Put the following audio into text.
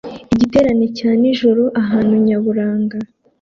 Igiterane cya nijoro ahantu nyaburanga